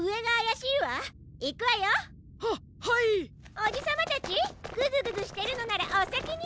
おじさまたちグズグズしてるのならおさきに！